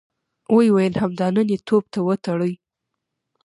ويې ويل: همدا نن يې توپ ته وتړئ!